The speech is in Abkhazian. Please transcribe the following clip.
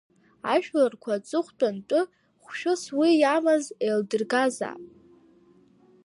Ажәларқәа аҵыхәтәаны хәшәыс уи иамаз еилдыргазаап…